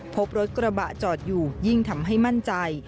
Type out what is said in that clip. พบรถกระบะจอดอยู่ยิ่งทำให้มั่นใจ